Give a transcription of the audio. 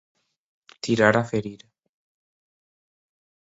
Tirar a ferir.